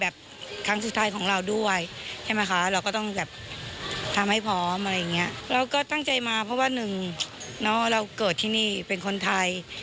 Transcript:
แล้วก็ตั้งใจมาเพราะว่าหนึ่งเราเกิดที่นี่เป็นคนไทย